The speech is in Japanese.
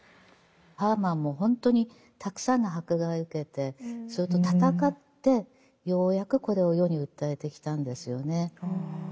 ハーマンもほんとにたくさんの迫害を受けてそれと闘ってようやくこれを世に訴えてきたんですよね。